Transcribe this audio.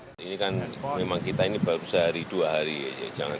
ada kemungkinan kemungkinan tempat yang belum terpantau oleh kita